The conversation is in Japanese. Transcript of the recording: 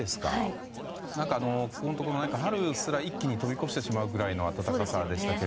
ここのところ春すら一気に飛び越してしまうぐらいの暖かさでしたが。